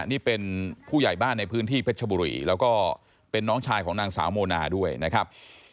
นี่เป็นผู้ใหญ่บ้านในพื้นที่เพชรชบุรีแล้วก็เป็นน้องชายของนางสาวโมนาด้วยนะครับ